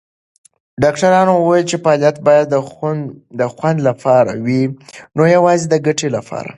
ډاکټره وویل چې فعالیت باید د خوند لپاره وي، نه یوازې د ګټې لپاره.